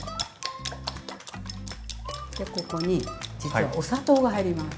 でここに実はお砂糖が入ります。